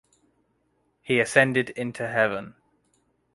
He ascended into heaven